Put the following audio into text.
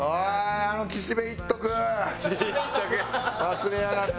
忘れやがって。